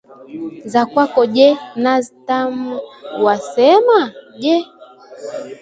za kwako je? Nazi Tamu wasema? Je